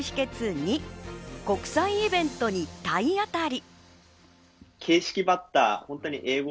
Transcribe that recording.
２、国際イベントに体当たり。